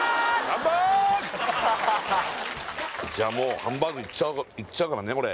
じゃもうハンバーグいっちゃうからね